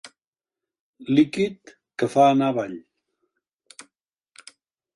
Líquid que fa anar avall.